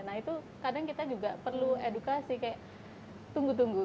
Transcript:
nah itu kadang kita juga perlu edukasi kayak tunggu tunggu